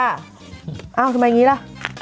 ทำไมอย่างนี้ล่ะ